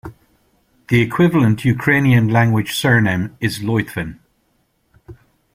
The equivalent Ukrainian-language surname is Lytvyn.